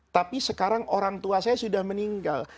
tapi sekarang orang tua saya sudah meninggal